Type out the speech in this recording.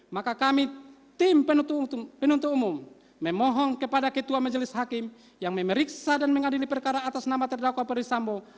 maka kami tim penuntut umum memohon kepada ketua majelis hakim yang memeriksa dan mengadili perkara atas nama terdakwa perisambo